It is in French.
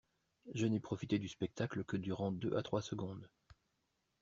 Je n’ai profité du spectacle que durant deux à trois secondes.